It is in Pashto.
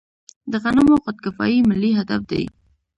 د غنمو خودکفايي ملي هدف دی.